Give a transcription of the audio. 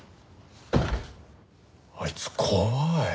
あいつ怖い。